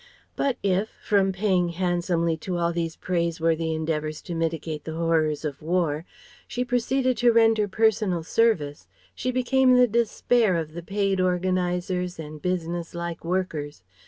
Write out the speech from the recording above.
But if, from paying handsomely to all these praise worthy endeavours to mitigate the horrors of war, she proceeded to render personal service, she became the despair of the paid organizers and business like workers.